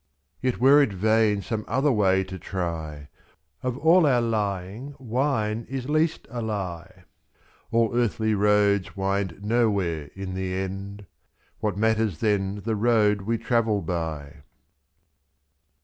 Yet were it vain some other way to try, Of all our lying wine is least a lie, /as. All earthly roads wind nowhere in the end, — What matters then the road we travel by